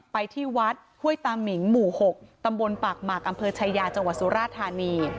ไปที่วัดค่วยตามิงหมู่๖ตำบลปากหมากอชายาจสุรทานี